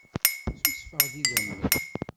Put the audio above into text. Ssusfeɣ-d idammen.